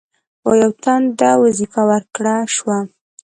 یو تن ته وظیفه ورکړه شوه.